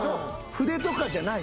筆とかじゃない？